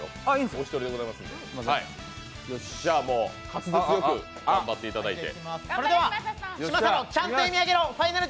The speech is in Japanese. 滑舌よく頑張っていただいて。